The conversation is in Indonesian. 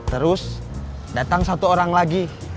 terus datang satu orang lagi